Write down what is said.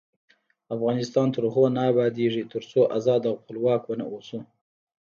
افغانستان تر هغو نه ابادیږي، ترڅو ازاد او خپلواک ونه اوسو.